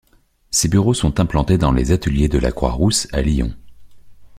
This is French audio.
Ses bureaux sont implantés dans les Ateliers de la Croix-Rousse à Lyon.